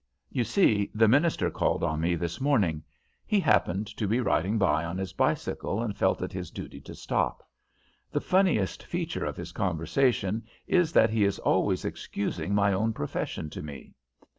You see, the minister called on me this morning. He happened to be riding by on his bicycle and felt it his duty to stop. The funniest feature of his conversation is that he is always excusing my own profession to me.